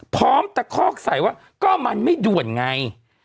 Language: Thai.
พร้อมแต่คอกใส่ว่าก็มันไม่ด่วนไง